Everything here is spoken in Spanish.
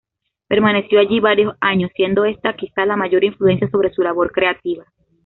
Permaneció allí varios años, siendo esta quizá la mayor influencia sobre su labor creativa.